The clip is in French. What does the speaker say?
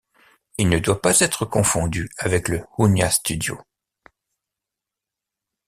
Il ne doit pas être confondu avec le Hunnia Studio.